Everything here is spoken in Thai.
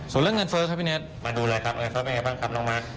ส่วนเรื่องเงินเฟ้อครับพี่เน็ตมาดูเลยครับเงินเฟ้อเป็นไงบ้างครับน้องมาร์ค